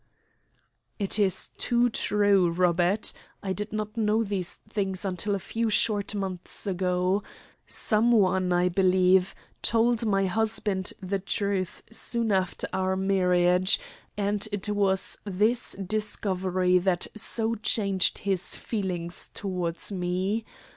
"It is too true, Robert. I did not know these things until a few short months ago. Some one, I believe, told my husband the truth soon after our marriage, and it was this discovery that so changed his feelings towards me.